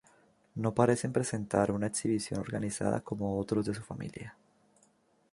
No parecen presentar una exhibición organizada como otros de su familia.